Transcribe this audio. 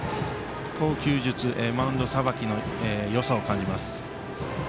投球術、マウンドさばきのよさを感じます。